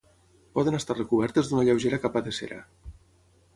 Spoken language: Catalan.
Poden estar recobertes d'una lleugera capa de cera.